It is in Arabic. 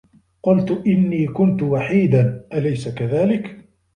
قلت أني كنت وحيدا، أليس كذلك؟